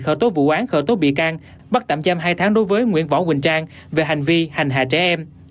khởi tố vụ án khởi tố bị can bắt tạm giam hai tháng đối với nguyễn võ quỳnh trang về hành vi hành hạ trẻ em